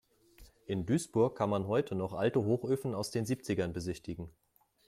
In Duisburg kann man heute noch alte Hochöfen aus den Siebzigern besichtigen.